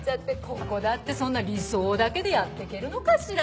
ここだってそんな理想だけでやっていけるのかしら？